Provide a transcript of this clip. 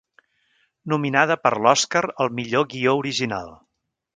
Nominada per l'Oscar al millor guió original.